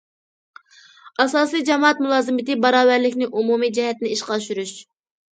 ئاساسىي جامائەت مۇلازىمىتى باراۋەرلىكىنى ئومۇمىي جەھەتتىن ئىشقا ئاشۇرۇش.